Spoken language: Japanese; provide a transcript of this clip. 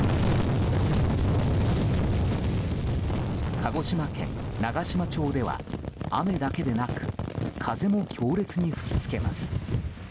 鹿児島県長島町では雨だけでなく風も強烈に吹き付けます。